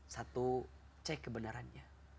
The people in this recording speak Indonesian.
satu cek kebenarannya